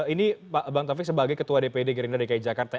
ini bang taufik sebagai ketua dpd gerindra dki jakarta